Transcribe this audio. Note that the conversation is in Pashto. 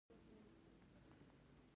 جومات به هم عین کار وکړي.